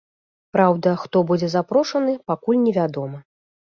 Праўда, хто будзе запрошаны, пакуль невядома.